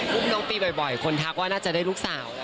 น้องปีบ่อยคนทักว่าน่าจะได้ลูกสาว